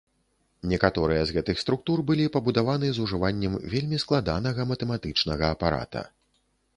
Некаторыя з гэтых структур былі пабудаваны з ужываннем вельмі складанага матэматычнага апарата.